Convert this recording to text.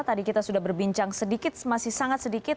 tadi kita sudah berbincang sedikit masih sangat sedikit